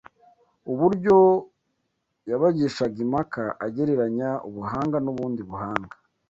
ubwo yabagishaga impaka agereranya ubuhanga n’ubundi buhanga